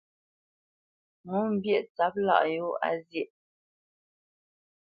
Ŋo pyêʼ tsâp lâʼ yōa zyéʼ.